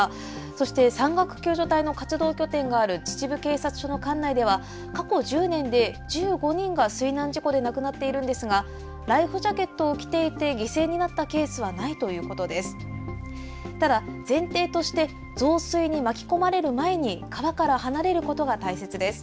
そして山岳救助隊の活動拠点がある秩父警察署の管内では過去１０年で１５人が水難事故で亡くなっているんですがライフジャケットを着ていて犠牲になったケースはないということです。